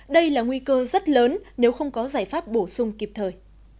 đây là nguy cơ rất lớn nếu không có giải pháp bổ sung kịp thời